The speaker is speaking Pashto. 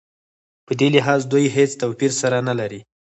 په دې لحاظ دوی هېڅ توپیر سره نه لري.